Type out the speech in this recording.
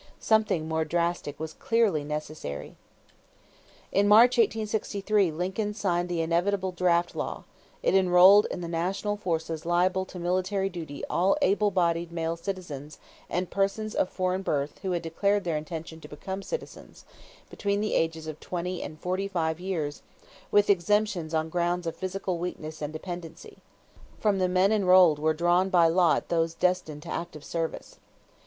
Something more drastic was clearly necessary. In March, 1863, Lincoln signed the inevitable draft law; it enrolled in the national forces liable to military duty all able bodied male citizens and persons of foreign birth who had declared their intention to become citizens, between the ages of twenty and forty five years with exemptions on grounds of physical weakness and dependency. From the men enrolled were drawn by lot those destined to active service.